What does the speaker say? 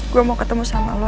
gue mau ketemu sama allah